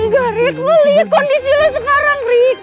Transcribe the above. nggak rik lo liat kondisi lo sekarang rik